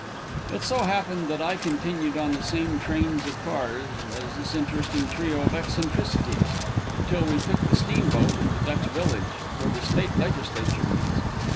It so happened that I continued on the same trains of cars with this interesting trio of eccentricities, until we took the steamboat at the Dutch village, where the State Legislature meets.